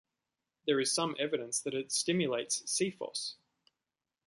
There is some evidence that it stimulates C-Fos.